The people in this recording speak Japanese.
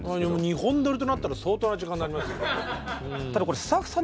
２本撮りとなったら相当な時間になりますよ。